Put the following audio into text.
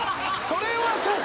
それはそう！